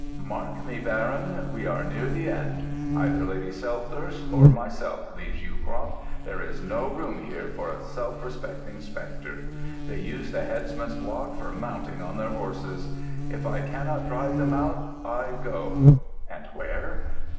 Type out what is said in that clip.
"Mark me, Baron, we are near the end. Either Lady Silthirsk or myself leaves Yewcroft. There is no room here for a self respecting spectre. They use the headsman's block for mounting on their horses. If I cannot drive them out, I go,—and where?